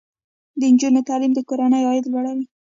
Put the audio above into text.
د نجونو تعلیم د کورنۍ عاید لوړوي.